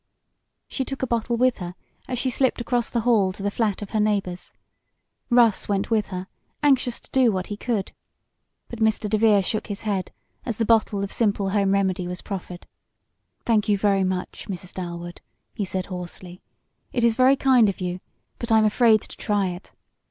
She took a bottle with her as she slipped across the hall to the flat of her neighbors. Russ went with her, anxious to do what he could. But Mr. DeVere shook his head as the bottle of simple home remedy was proffered. "Thank you very much, Mrs. Dalwood," he said hoarsely. "It is very kind of you, but I'm afraid to try it.